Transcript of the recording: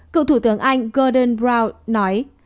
cựu thủ tướng anh gordon brown nói